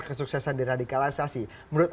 kesuksesan di radikalisasi menurut